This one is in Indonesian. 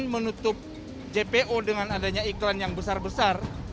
menutup jpo dengan adanya iklan yang besar besar